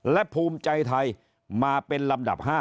และภูมิใจไทยมาเป็นลำดับ๕